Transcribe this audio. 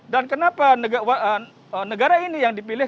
dan kenapa negara ini yang dipilih